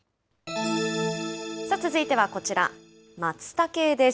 続いてはこちら、まつたけです。